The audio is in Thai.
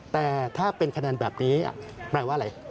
แต่ถ้าเป็นคะแนนแบบนี้แปลว่าอะไร